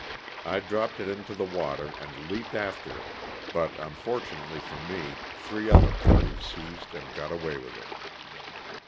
I dropped it into the water and leaped after it, but unfortunately for me three other parties seized and got away with it.